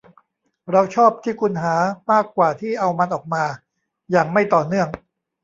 เราชอบที่คุณหามากกว่าที่เอามันออกมาอย่างไม่ต่อเนื่อง